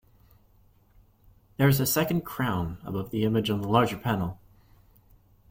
There is a second crown above the image, on the larger panel.